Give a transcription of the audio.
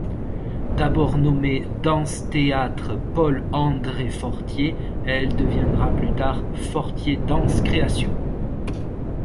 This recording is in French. D'abord nommée Danse-Théâtre Paul-André Fortier, elle deviendra plus tard Fortier Danse-Création.